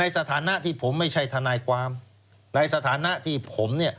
สถานะที่ผมไม่ใช่ทนายความในสถานะที่ผมเนี่ย